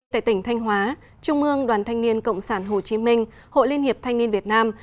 tại tỉnh thanh hóa trung ương đoàn thanh niên cộng sản hồ chí minh hội liên hiệp thanh niên việt nam